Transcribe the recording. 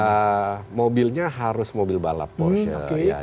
mereka mobilnya harus mobil balap porsche